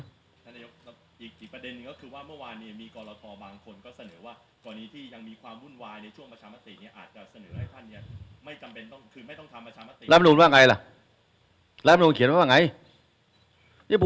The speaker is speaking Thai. อเจมส์อีกประเด็นหนึ่งก็คือว่าเมื่อวานเนี่ยมีกรตบางคนก็เสนอว่า